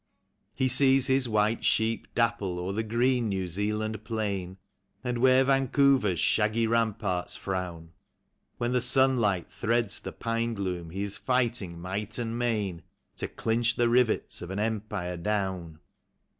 He sees his white sheep dapple o'er the green New Zea land plain. And where Vancouver's shaggy ramparts frown, When the sunlight threads the pine gloom he is fighting might and main To clinch the rivets of an Empire down.